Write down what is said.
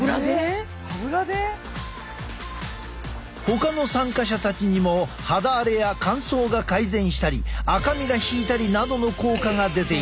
ほかの参加者たちにも肌荒れや乾燥が改善したり赤みが引いたりなどの効果が出ていた。